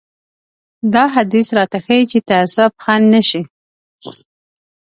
دا حديث راته ښيي چې تعصب خنډ نه شي.